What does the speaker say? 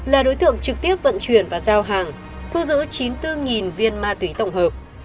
là đối tượng trực tiếp vận chuyển và giao hàng thu giữ chín mươi bốn viên ma túy tổng hợp